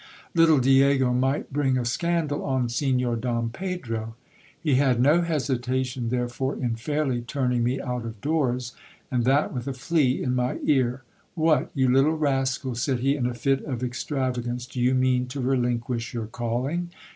Little Diego might bring a scandal on Signor Don Pedro. He had no hesitation, therefore, in fairly turning me out of. doors, and that with a flea in my ear. What, you little rascal, said he in a fit of extravagance, do you mean to relinquish your calling